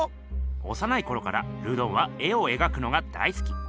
おさないころからルドンは絵を描くのが大好き。